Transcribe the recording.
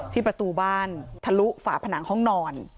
ประตูบ้านทะลุฝาผนังห้องนอน